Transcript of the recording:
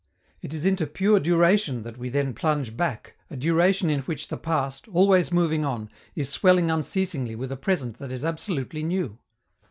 It is into pure duration that we then plunge back, a duration in which the past, always moving on, is swelling unceasingly with a present that is absolutely new.